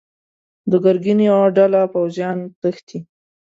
د ګرګين يوه ډله پوځيان تښتي.